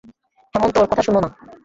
হেমন্ত, ওর কথা শুনো না।